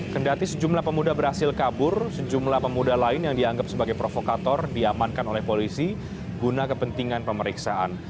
kendati sejumlah pemuda berhasil kabur sejumlah pemuda lain yang dianggap sebagai provokator diamankan oleh polisi guna kepentingan pemeriksaan